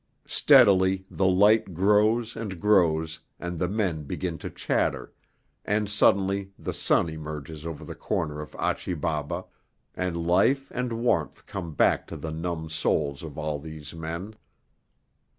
Steadily the light grows and grows, and the men begin to chatter, and suddenly the sun emerges over the corner of Achi Baba, and life and warmth come back to the numb souls of all these men.